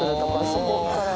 そこから。